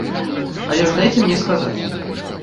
Але ж дайце мне сказаць.